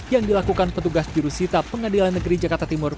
yang dilakukan petugas jurusita pengadilan negeri jakarta timur